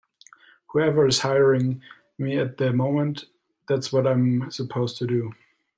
Whoever's hiring me at the moment...that's what I'm supposed to do.